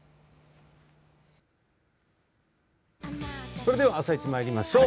それでは「あさイチ」まいりましょう。